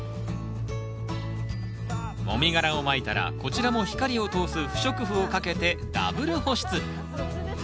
もみ殻をまいたらこちらも光を通す不織布をかけてダブル保湿。